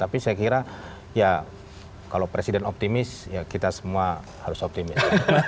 tapi saya kira ya kalau presiden optimis ya kita semua harus optimis